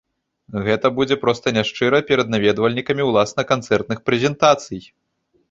Гэта будзе проста няшчыра перад наведвальнікамі ўласна канцэртных прэзентацый.